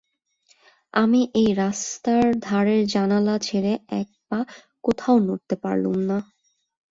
আমি এই রাস্তার ধারের জানলা ছেড়ে এক পা কোথাও নড়তে পারলুম না।